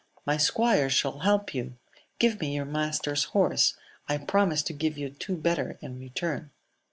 — ^My squire shall help you : give me your master's horse : I promise to give you two bet ter in return.